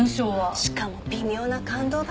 しかも微妙な感動話。